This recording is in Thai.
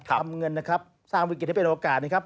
ทำเงินนะครับสร้างวิกฤตให้เป็นโอกาสนะครับ